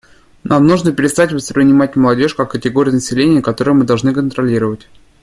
Нам нужно перестать воспринимать молодежь как категорию населения, которую мы должны контролировать.